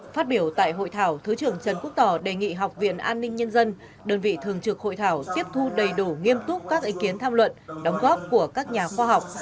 phát biểu tại hội thảo thứ trưởng trần quốc tỏ đề nghị học viện an ninh nhân dân đơn vị thường trực hội thảo tiếp thu đầy đủ nghiêm túc các ý kiến tham luận đóng góp của các nhà khoa học